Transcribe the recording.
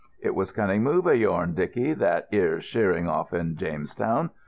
It was a cunning move of yourn, Dicky, that 'ere sheering off in Jamestown.